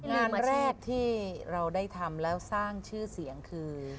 งานแรกที่เราได้ทำแล้วสร้างชื่อเสียงคือ